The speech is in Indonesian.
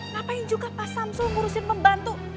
ngapain juga pak samsul ngurusin membantu